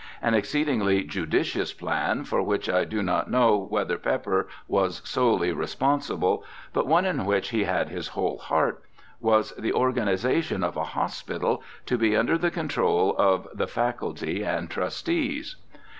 An ex ceedingly judicious plan, for which I do not know whether Pepper was solely responsible, but one in which he had his whole heart, was the organization of a hospital to be under the control of the faculty and trustees.